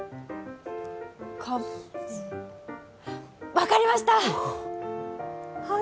分かりました！